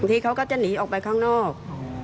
ทีเขาก็จะหนีออกไปข้างนอก